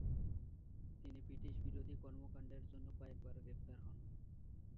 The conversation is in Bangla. তিনি ব্রিটিশ বিরোধী কর্মকান্ডের জন্য কয়েকবার গ্রেফতার হন।